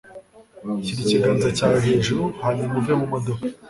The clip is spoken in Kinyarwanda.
Shyira ikiganza cyawe hejuru hanyuma uve mu modoka.